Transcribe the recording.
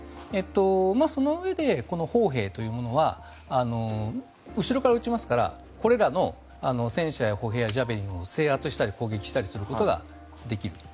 そのうえで砲兵というものは後ろから撃ちますからこれらの戦車や歩兵やジャベリンを制圧したり攻撃したりすることができると。